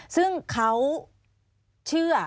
ซึ่งเขาเชื่อ